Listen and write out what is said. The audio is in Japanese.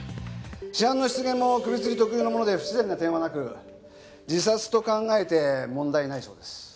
死斑の出現も首吊り特有のもので不自然な点はなく自殺と考えて問題ないそうです。